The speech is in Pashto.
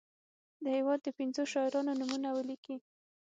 د هیواد د پنځو شاعرانو نومونه ولیکي.